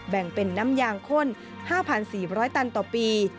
แบ่งเป็นน้ำยางข้น๕๔๐๐ตันต่อปี